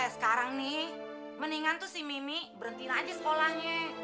sekarang nih mendingan tuh si mimi berhentiin aja sekolahnya